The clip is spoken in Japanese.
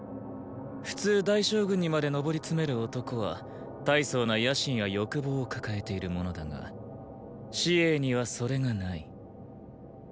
普通大将軍にまで登りつめる男は大層な野心や欲望を抱えているものだが紫詠にはそれがない。